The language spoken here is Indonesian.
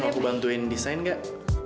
aku bantuin desain gak